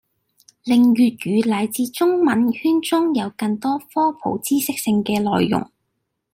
令粵語乃至中文圈中有更多科普知識性嘅內容